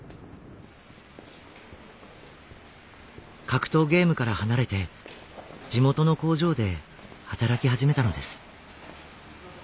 格闘ゲームから離れて地元の工場で働き始めたのです。